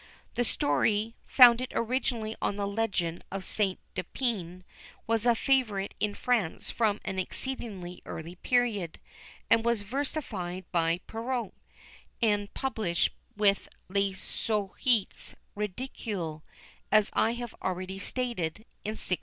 This story, founded originally on the legend of St. Dipne, was a favourite in France from an exceedingly early period, and was versified by Perrault, and published with Les Souhaits Ridicules, as I have already stated, in 1694.